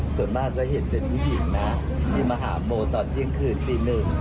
ส่วนมากจะเห็นเป็นผู้หญิงนะที่มาหาโมตอนเที่ยงคืนตีหนึ่ง